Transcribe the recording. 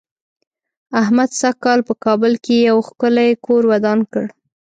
احمد سږ کال په کابل کې یو ښکلی کور ودان کړ.